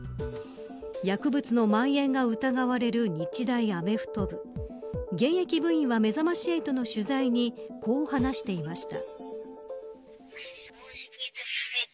薬物のまん延が疑われる日大アメフト部現役部員はめざまし８の取材にこう話していました。